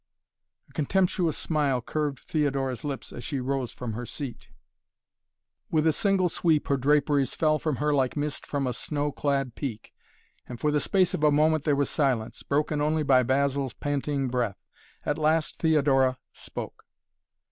A contemptuous smile curved Theodora's lips as she rose from her seat. With a single sweep her draperies fell from her like mist from a snow clad peak, and for the space of a moment there was silence, broken only by Basil's panting breath. At last Theodora spoke.